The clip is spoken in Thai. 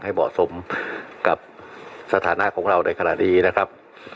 ได้ขสมกับสถานะของเราได้ขนาดนี้นะครับ